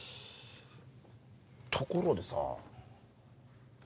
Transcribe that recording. ところでさ。